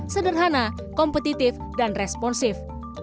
sederhana kompetitif dan responsif